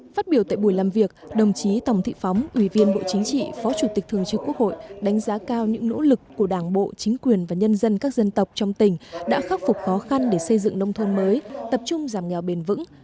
phát biểu tại buổi làm việc đồng chí tòng thị phóng ủy viên bộ chính trị phó chủ tịch thường trực quốc hội đánh giá cao những nỗ lực của đảng bộ chính quyền và nhân dân các dân tộc trong tỉnh đã khắc phục khó khăn để xây dựng nông thôn mới tập trung giảm nghèo bền vững